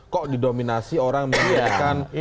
kok didominasi orang menjadikan